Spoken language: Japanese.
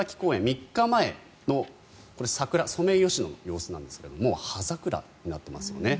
３日前のソメイヨシノの様子なんですがもう葉桜になっていますよね。